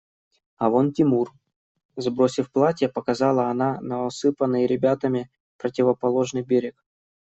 А вон Тимур! – сбросив платье, показала она на усыпанный ребятами противоположный берег.